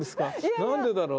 何でだろう。